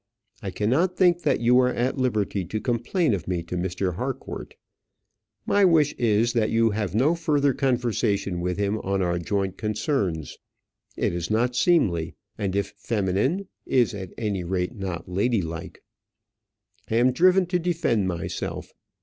I cannot think that you were at liberty to complain of me to Mr. Harcourt. My wish is, that you have no further conversation with him on our joint concerns. It is not seemly; and, if feminine, is at any rate not ladylike. I am driven to defend myself.